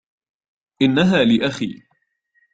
إنها لأخي.